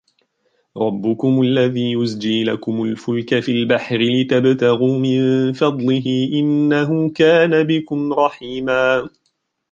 رَبُّكُمُ الَّذِي يُزْجِي لَكُمُ الْفُلْكَ فِي الْبَحْرِ لِتَبْتَغُوا مِنْ فَضْلِهِ إِنَّهُ كَانَ بِكُمْ رَحِيمًا